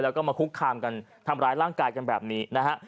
แล้วก็มาคุกคามกันทำร้ายร่างกายกันแบบนี้นะฮะ